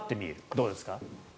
どうですか？